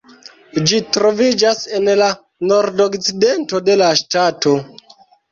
Ĝi troviĝas en la nordokcidento de la ŝtato.